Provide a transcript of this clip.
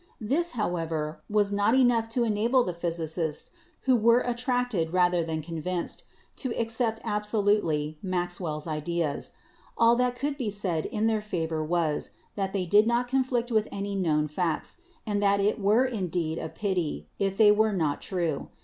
This, however, was not enough to enable the physicists, who were attracted rather than convinced, to accept absolutely Maxwell's ideas: all that could be said in their favor was that they did not conflict with any known facts, and that it were indeed a pity if they were not true.